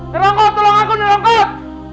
dirangkut tolong aku dirangkut